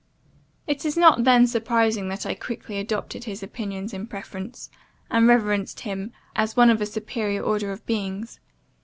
It is not then surprising that I quickly adopted his opinions in preference, and reverenced him as one of a superior order of beings.